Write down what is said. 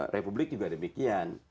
republik juga demikian